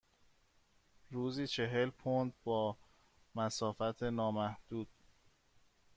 روزی چهل پوند با مسافت نامحدود.